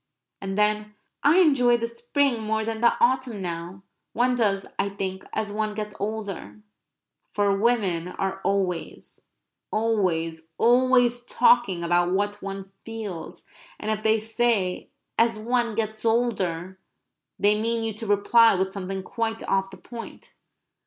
And then: "I enjoy the spring more than the autumn now. One does, I think, as one gets older." For women are always, always, always talking about what one feels, and if they say "as one gets older," they mean you to reply with something quite off the point.